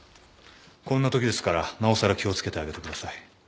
こんなときですからなおさら気を付けてあげてください。